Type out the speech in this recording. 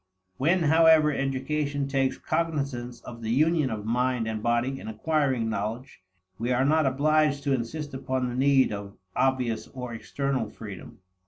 When, however, education takes cognizance of the union of mind and body in acquiring knowledge, we are not obliged to insist upon the need of obvious, or external, freedom.